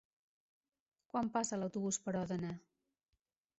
Quan passa l'autobús per Òdena?